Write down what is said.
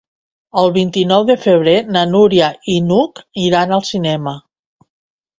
El vint-i-nou de febrer na Núria i n'Hug iran al cinema.